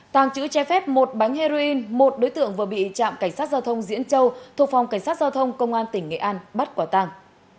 tàng chữ che phép một bánh heroin một đối tượng vừa bị trạm cảnh sát giao thông diễn châu thuộc phòng cảnh sát giao thông công an tỉnh nghệ an bắt quả tàng